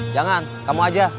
jangan kamu aja